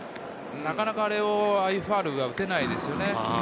なかなかああいうファウルは打てないですよね。